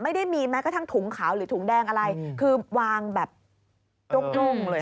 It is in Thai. ไม่ได้มีแม้กระทั่งถุงขาวหรือถุงแดงอะไรคือวางแบบจุ้งเลย